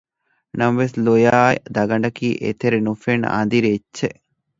ނަމަވެސް ލޮޔާއި ދަގަނޑަކީ އެތެރެ ނުފެންނަ އަނދިރި އެއްޗެއް